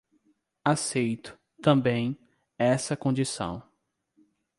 Aceito, também, essa condição.